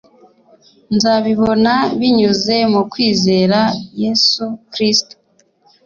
nzabibona binyuze mu kwizera Yesu Kristo